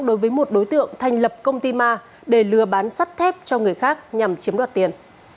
đối với một đối tượng thành lập công ty ma để lừa bán sắt thép cho người khác nhằm chiếm đoạt tiền